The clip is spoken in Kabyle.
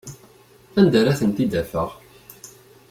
Anda ara tent-id-afeɣ?